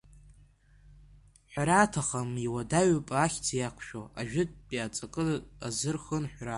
Ҳәара аҭахым, иуадаҩуп ахьӡ иақәшәо ажәытәтәи аҵакы азырхынҳәра.